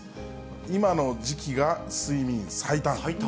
今の時期が睡眠最短。